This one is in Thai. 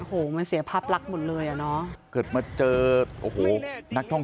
โหมันเสียภาพลักษณ์หมดเลยอ่ะเนอะเกิดมาเจอโอ้โหนักท่อง